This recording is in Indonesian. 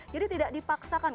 jadi tidak dipaksakan